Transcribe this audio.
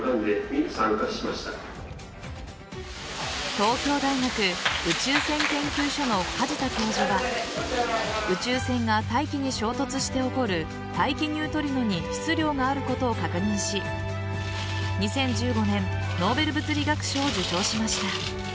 東京大学宇宙線研究所の梶田教授は宇宙線が大気に衝突して起こる大気ニュートリノに質量があることを確認し２０１５年ノーベル物理学賞を受賞しました。